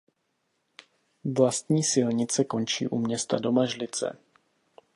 Vlastní silnice končí u města Domažlice.